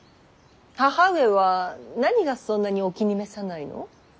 義母上は何がそんなにお気に召さないの？